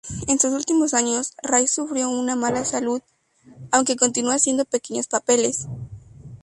En sus últimos años, Ray sufrió una mala salud, aunque continuó haciendo pequeños papeles.